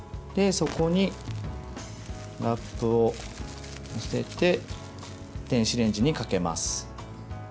そこに、ラップを載せて電子レンジにかけます。